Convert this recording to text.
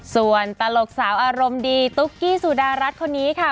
ส่วนตลกสาวอารมณ์ดีตุ๊กกี้สุดารัฐคนนี้ค่ะ